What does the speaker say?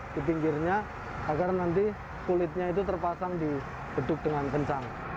di pinggirnya agar nanti kulitnya itu terpasang di beduk dengan kencang